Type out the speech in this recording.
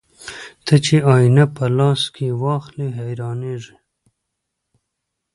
ته چې آيينه په لاس کې واخلې حيرانېږې